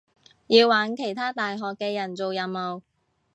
要搵其他大學嘅人做任務